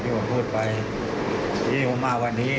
ที่ผมพูดไปที่ที่ผมมาวันนี้